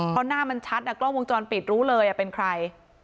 เพราะหน้ามันชัดกล้องวงจรปิดรู้เลยเป็นใคร